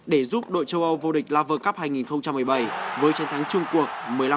để giúp đội châu âu vô địch lava cup hai nghìn một mươi bảy với chiến thắng chung cuộc